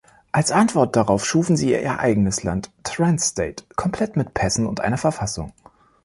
Als Antwort darauf schufen sie ihr eigenes Land, „Trans-State“, komplett mit Pässen und einer Verfassung.